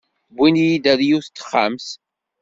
Iwin-iyi ɣer yiwet n texxamt.